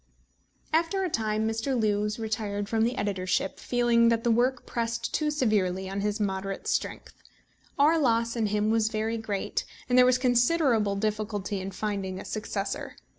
After a time Mr. Lewes retired from the editorship, feeling that the work pressed too severely on his moderate strength. Our loss in him was very great, and there was considerable difficulty in finding a successor.